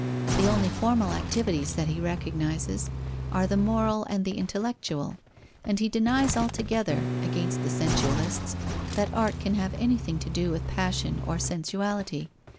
The only formal activities that he recognizes are the moral and the intellectual, and he denies altogether (against the sensualists) that art can have anything to do with passion or sensuality.